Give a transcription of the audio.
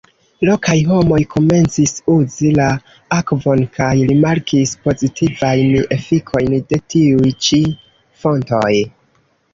Lokaj homoj komencis uzi la akvon kaj rimarkis pozitivajn efikojn de tiuj ĉi fontoj.